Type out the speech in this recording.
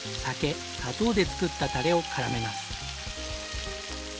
酒砂糖で作ったタレを絡めます。